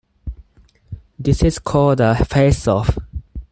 This is called a "face-off".